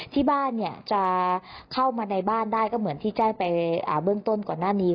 ที่บ้านเนี่ยจะเข้ามาในบ้านได้ก็เหมือนที่แจ้งไปเบื้องต้นก่อนหน้านี้